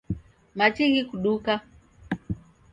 Machi ghikuduka